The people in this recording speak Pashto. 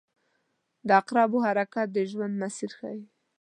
• د عقربو حرکت د ژوند مسیر ښيي.